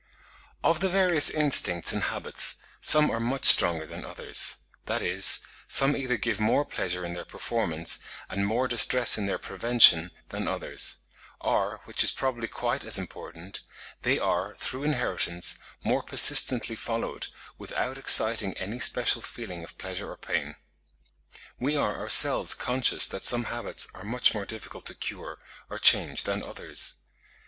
Of the various instincts and habits, some are much stronger than others; that is, some either give more pleasure in their performance, and more distress in their prevention, than others; or, which is probably quite as important, they are, through inheritance, more persistently followed, without exciting any special feeling of pleasure or pain. We are ourselves conscious that some habits are much more difficult to cure or change than others.